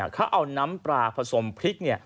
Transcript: เขาเอาน้ำปลาผสมพริก